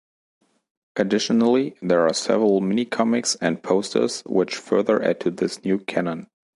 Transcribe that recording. Additionally, there are several mini-comics and posters which further add to this new canon.